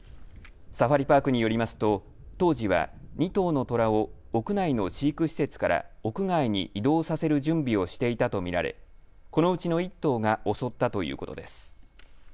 サファリパークによりますと当時は２頭のトラを屋内の飼育施設から屋外に移動させる準備をしていたと見られこのうちの１頭が襲ったということです。